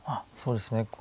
そうですね